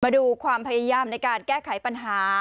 มาดูความพยายามในการแก้ไขปัญหา